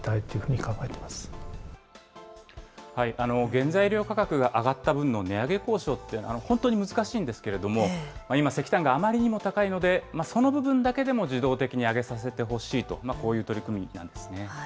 原材料価格が上がった分の値上げ交渉って、本当に難しいんですけれども、今、石炭があまりにも高いので、その部分だけでも自動的に上げさせてほしいと、こういう取り組みなんですね。